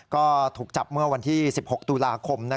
ก็ถูกจับเมื่อวันที่๑๖ตุลาคม